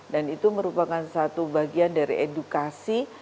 dan itu merupakan satu bagian dari edukasi